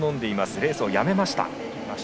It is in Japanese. レースをやめました。